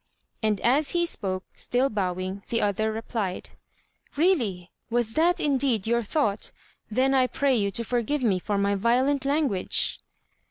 And as he spoke, still bowing, the other replied: "Really! was that indeed your thought? Then I pray you to forgive me for my violent language."